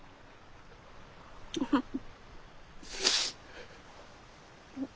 フフフ。